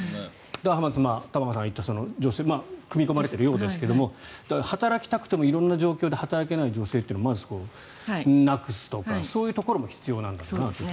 浜田さん、玉川さんがいった女性組み込まれているようですが働きたくても色んな状況で働けない女性をまずなくすとかそういうところも必要なんだなと。